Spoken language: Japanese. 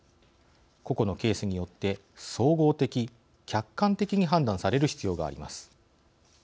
個々のケースによって総合的・客観的に判断される必要があります。